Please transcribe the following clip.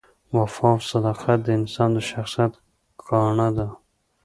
وفا او صداقت د انسان د شخصیت ګاڼه ده.